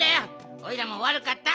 おいらもわるかった。